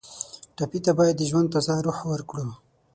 ټپي ته باید د ژوند تازه روح ورکړو.